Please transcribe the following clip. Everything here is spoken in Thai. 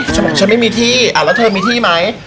ฉันบอกฉันไม่มีที่แล้วเธอมีที่ไหม